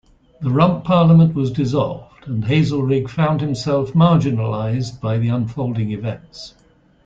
The Rump Parliament was dissolved and Haselrig found himself marginalised by the unfolding events.